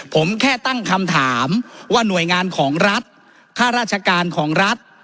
ผมแค่ตั้งคำถามว่าหน่วยงานของรัฐค่าราชการของรัฐ